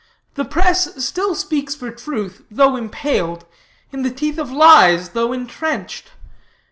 The press still speaks for truth though impaled, in the teeth of lies though intrenched.